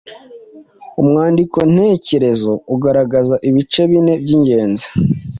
Umwandiko ntekerezo ugaragaza ibice bine by’ingenzi